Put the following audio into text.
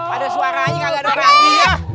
ada suaranya gak ada fraksinya